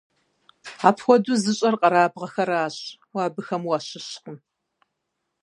Апхуэдэу зыщӀэр къэрабгъэхэращ, уэ абыхэм уащыщкъым!